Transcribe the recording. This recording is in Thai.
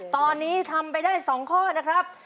ตอนนี้ทำไปได้๒ข้อนะครับ